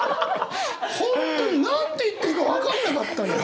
本当に何て言っていいか分かんなかったんだよ。